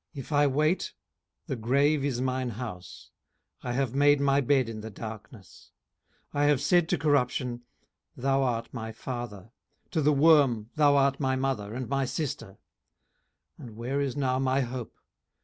18:017:013 If I wait, the grave is mine house: I have made my bed in the darkness. 18:017:014 I have said to corruption, Thou art my father: to the worm, Thou art my mother, and my sister. 18:017:015 And where is now my hope?